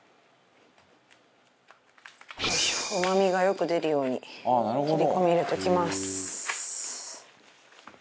うまみがよく出るように切り込み入れときます。